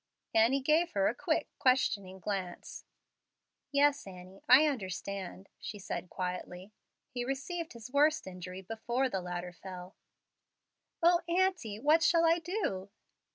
Annie gave her a quick, questioning glance. "Yes, Annie, I understand," she said, quietly. "He received his worst injury before the ladder fell." "O aunty, what shall I do?"